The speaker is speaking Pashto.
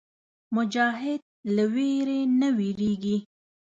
مجاهد له ویرې نه وېرېږي.